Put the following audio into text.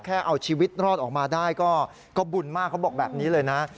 เอาชีวิตรอดออกมาได้ก็บุญมากเขาบอกแบบนี้เลยนะ